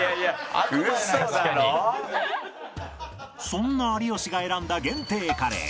そんな有吉が選んだ限定カレー